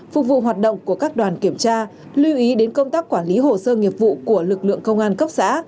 phục vụ hoạt động của các đoàn kiểm tra lưu ý đến công tác quản lý hồ sơ nghiệp vụ của lực lượng công an cấp xã